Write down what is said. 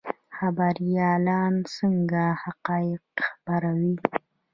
خبریالان څنګه حقایق خپروي؟